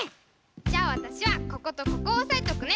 じゃあわたしはこことここをおさえとくね。